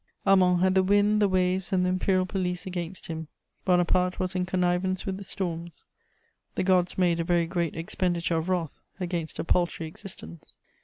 Armand had the wind, the waves and the imperial police against him; Bonaparte was in connivance with the storms. The gods made a very great expenditure of wrath against a paltry existence.